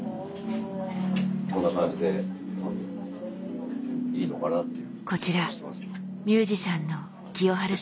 こんな感じでいいのかなっていう。